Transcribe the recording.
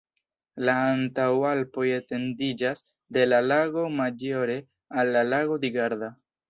La Antaŭalpoj etendiĝas de la Lago Maggiore al la Lago di Garda.